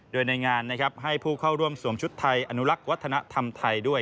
โดยในงานนะครับให้ผู้เข้าร่วมสวมชุดไทยอนุลักษ์วัฒนธรรมไทยด้วย